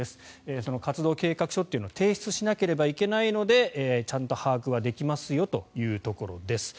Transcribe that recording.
その活動計画書というのを提出しなければいけないのでちゃんと把握できますよというところです。